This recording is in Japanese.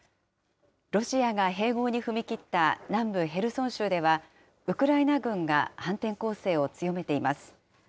ロシアが併合に踏み切った南部ヘルソン州では、ウクライナ軍が反転攻勢を強めています。